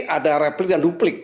ada replik dan duplik